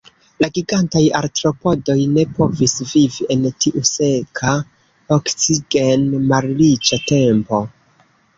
La gigantaj artropodoj ne povis vivi en tiu seka, oksigen-malriĉa tempo.